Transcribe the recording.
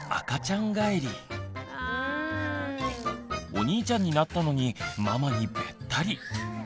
お兄ちゃんになったのにママにべったり。